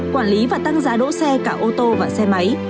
quản lý và tăng giá đỗ xe cả ô tô và xe máy